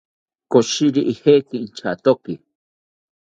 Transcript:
Koshiri ijeki inchatoki